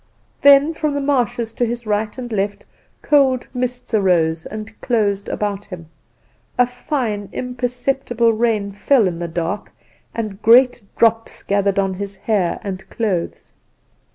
"Then from the marshes to his right and left cold mists arose and closed about him. A fine, imperceptible rain fell in the dark, and great drops gathered on his hair and clothes.